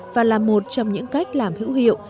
và là một trong những cách làm hữu hiệu